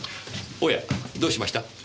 おやどうしました？